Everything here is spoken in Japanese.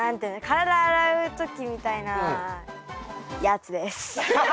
体洗う時みたいなやつです。